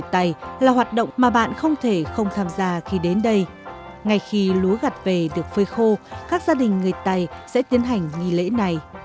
đây chính là điểm đến mà chúng ta sẽ cùng ghé thăm ngày hôm nay